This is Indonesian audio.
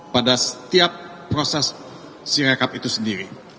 pada setiap proses sirekap itu sendiri